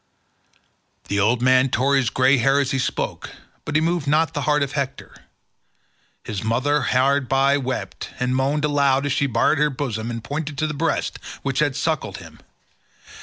The old man tore his grey hair as he spoke, but he moved not the heart of Hector. His mother hard by wept and moaned aloud as she bared her bosom and pointed to the breast which had suckled him.